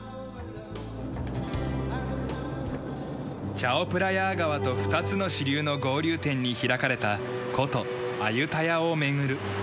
チャオプラヤー川と２つの支流の合流点に開かれた古都アユタヤを巡る。